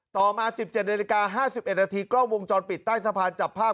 ต่อมา๑๗นาฬิกา๕๑นาทีกล้องวงจรปิดใต้สะพานจับภาพ